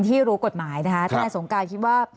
ที่รู้กฏหมายนะคะท่านท่านสงการคิดว่า